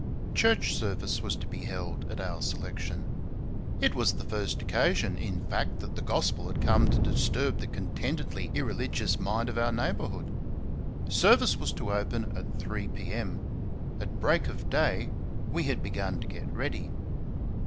Church service was to be held at our selection. It was the first occasion, in fact, that the Gospel had come to disturb the contentedly irreligious mind of our neighbourhood. Service was to open at 3 p.m.; at break of day we had begun to get ready.